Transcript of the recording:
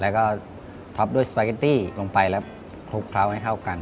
แล้วก็ท็อปด้วยสปาเกตตี้ลงไปแล้วคลุกเคล้าให้เข้ากัน